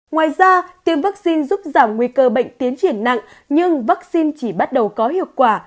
ngoài ra tiêm vaccine giúp giảm nguy cơ bệnh tiến triển nặng nhưng vaccine chỉ bắt đầu có hiệu quả